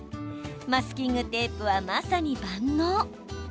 マスキングテープはまさに万能。